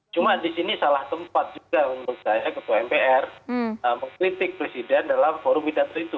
cuma di sini salah tempat juga menurut saya ketua mpr mengkritik presiden dalam forum pidato itu